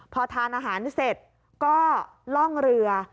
พอทานอาหารเสร็จก็ล่องเรือ